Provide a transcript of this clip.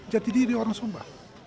jati diri orang sumba